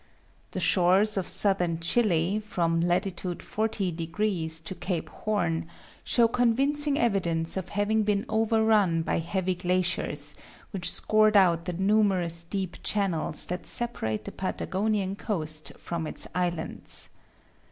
The shores of Southern Chile, from latitude 40┬░ to Cape Horn, show convincing evidence of having been overrun by heavy glaciers, which scoured out the numerous deep channels that separate the Patagonian coast from its islands.